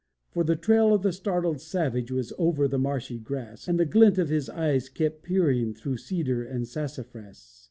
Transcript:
For the trail of the startled savage Was over the marshy grass, And the glint of his eyes kept peering Through cedar and sassafras.